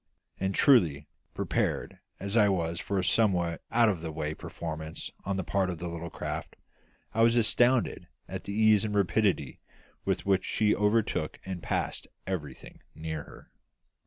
And truly, prepared as I was for a somewhat out of the way performance on the part of the little craft, I was astounded at the ease and rapidity with which she overtook and passed everything near her.